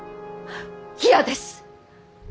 嫌です！